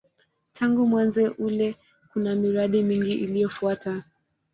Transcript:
Tangu mwanzo ule kuna miradi mingi iliyofuata.